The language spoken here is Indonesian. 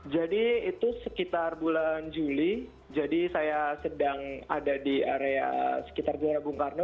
jadi itu sekitar bulan juli jadi saya sedang ada di area sekitar jawa bung karno